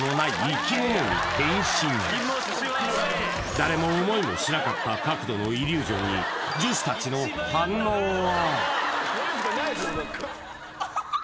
誰も思いもしなかった角度のイリュージョンに女子たちの反応は？